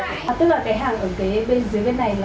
là loại chính hãng mà mình tập hành được